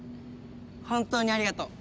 本当にありがとう。